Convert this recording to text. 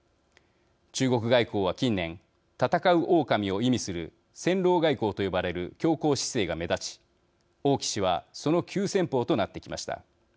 中国外交は近年戦うおおかみを意味する戦狼外交と呼ばれる強硬姿勢が目立ち王毅氏はその急先ぽうとなってきました。